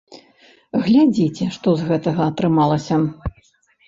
Глядзіце, што з гэтага атрымалася.